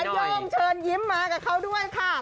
โย่งเชิญยิ้มมากับเขาด้วยค่ะ